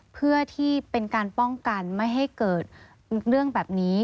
เพื่อที่เป็นการป้องกันไม่ให้เกิดเรื่องแบบนี้